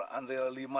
enam lapangan sepak bola